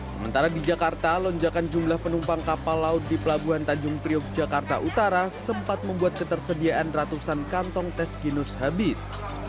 sementara di jakarta lonjakan jumlah penumpang kapal laut di pelabuhan tanjung priok jakarta utara sempat membuat ketersediaan ratusan kantong tes ginus habis